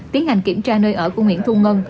tiến hành kiểm tra nơi ở của nguyễn thu ngân